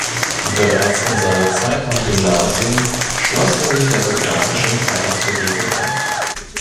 Bereits in seiner Zeit am Gymnasium schloss er sich der bulgarischen Freiheitsbewegung an.